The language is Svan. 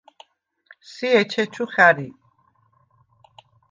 სი ეჩეჩუ ხა̈რი.